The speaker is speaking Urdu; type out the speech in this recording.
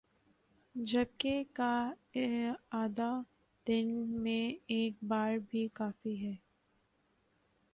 جبکہ کا اعادہ دن میں ایک بار بھی کافی ہے